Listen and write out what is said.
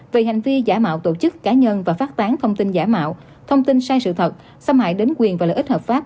về hành vi giả mạo tổ chức cá nhân và phát tán thông tin giả mạo thông tin sai sự thật xâm hại đến quyền và lợi ích hợp pháp